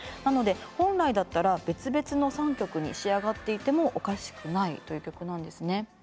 なので本来だったら別々の３曲に仕上がっていてもおかしくないという曲なんですね。